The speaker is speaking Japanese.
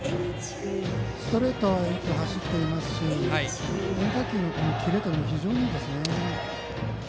ストレートがよく走っていますし変化球のキレも非常にいいですね。